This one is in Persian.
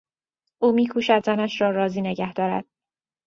او میکوشد زنش را راضی نگه دارد.